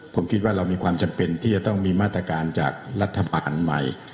ผมคิดว่าเรามีความจำเป็นที่จะต้องมีมาตรการจากรัฐบาลใหม่